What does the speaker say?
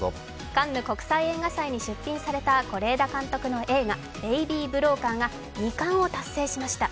カンヌ国際映画祭に出品された是枝監督の映画、「ベイビー・ブローカー」が２冠を達成しました。